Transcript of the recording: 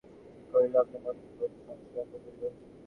সুচরিতা কহিল, আপনার বন্ধুর মনে বোধ হয় সংস্কারগুলো খুব দৃঢ়।